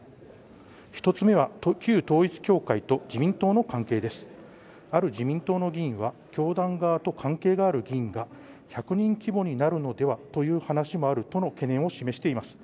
１つ目は旧統一教会と自民党の関係ですある自民党の議員は教団側と関係がある議員が１００人規模になるのではという話もあるとの懸念を示しています